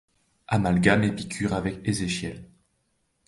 Amalgame Épicure avec Ézéchiel ;